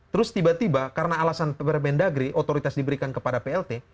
terus tiba tiba karena alasan permendagri otoritas diberikan kepada plt